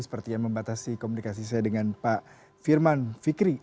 seperti yang membatasi komunikasi saya dengan pak firman fikri